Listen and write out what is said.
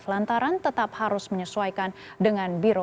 lantaran tetap harus menyesuaikan dengan biro